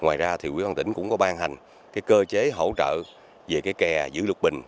ngoài ra quý bàn tỉnh cũng có ban hành cơ chế hỗ trợ về kè giữ lục bình